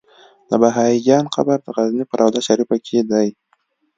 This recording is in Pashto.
د بهايي جان قبر د غزنی په روضه شريفه کی دی